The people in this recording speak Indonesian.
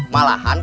malahan kang jok